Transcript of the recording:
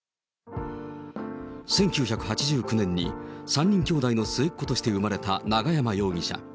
１９８９年に３人兄弟の末っ子として生まれた永山容疑者。